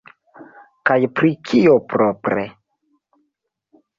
Kaj pri kio, propre?